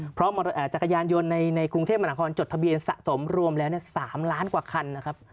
เพราะจักรยานยนต์ในกรุงเทพมหานครจดทะเบียนสะสมรวมแล้ว๓ล้านกว่าคันนะครับ